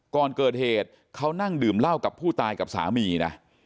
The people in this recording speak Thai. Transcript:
ก่อนเกิดเหตุเขานั่งดื่มเหล้ากับผู้ตายกับสามีนะ